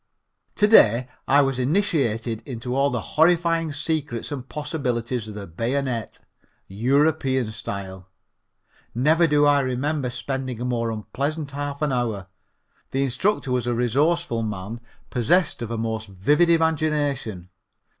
To day I was initiated into all the horrifying secrets and possibilities of the bayonet, European style. Never do I remember spending a more unpleasant half an hour. The instructor was a resourceful man possessed of a most vivid imagination.